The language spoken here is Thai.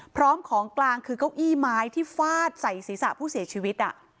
พร้อมของกลางคือเก้าอี้ไม้ที่ฟาดใส่ศีรษะผู้เสียชีวิต